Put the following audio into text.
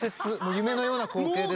夢のような光景です。